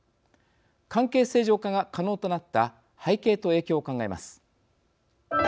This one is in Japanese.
関係正常化が可能となった背景と影響を考えます。